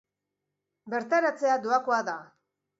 Bertaratzea doakoa da.